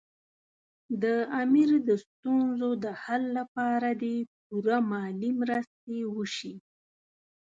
د امیر د ستونزو د حل لپاره دې پوره مالي مرستې وشي.